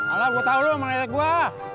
alah gue tau lo mau ngetetik gue